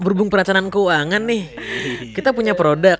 berhubung peracanan keuangan nih kita punya produk